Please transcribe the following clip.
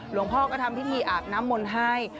หลวงพ่อก็ทำพิธีอาบน้ำมนต์ให้